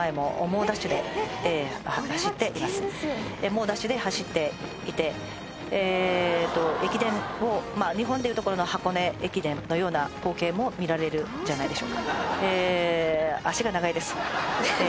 猛ダッシュで走っていてえと駅伝をまあ日本でいうところの箱根駅伝のような光景も見られるんじゃないでしょうかええ